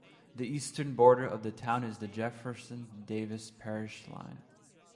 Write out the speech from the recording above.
The eastern border of the town is the Jefferson Davis Parish line.